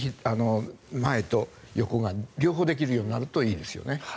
前と横が両方できるようになるといいですよね。